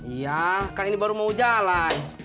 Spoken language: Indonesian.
iya kan ini baru mau jalan